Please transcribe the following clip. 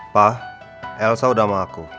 pa elsa udah sama aku